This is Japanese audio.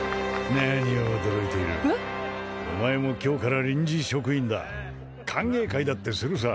何を驚いているお前も今日から臨時職員だ歓迎会だってするさ